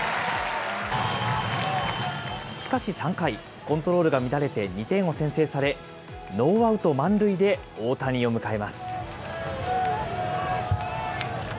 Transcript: しかし３回、コントロールが乱れて２点を先制され、ノーアウト満塁で大谷を迎えます。